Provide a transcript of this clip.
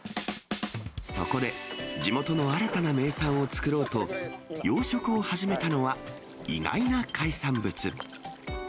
そこで、地元の新たな名産を作ろうと、養殖を始めたのは意外な海産物。